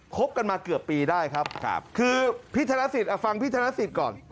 คบกันมาเกือบปีได้ครับคือพี่ธนสิทธิฟังพี่ธนสิทธิ์ก่อน